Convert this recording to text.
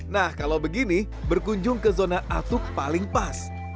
nah kalau begini berkunjung ke zona atuk paling pas